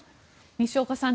西岡さん